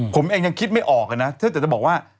ผมเองยังคิดไม่ออกนะถ้าเกิดจะบอกว่า